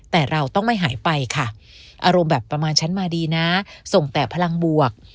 แต่เราต้องไม่หายไปค่ะอารมณ์แบบประมาณฉันมาดีนะส่งแต่พลังบวก